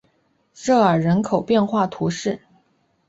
热尔人口变化图示